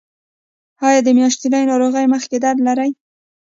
ایا د میاشتنۍ ناروغۍ مخکې درد لرئ؟